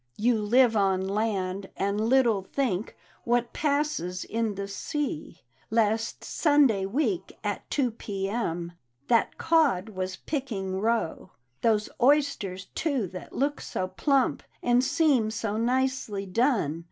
" You live on land, and little think What passes in the sea; Last Sunday week, at 2 p. m.. That Cod was picking roe! " Those oysters, too, that look so plump, And seem so nicely done.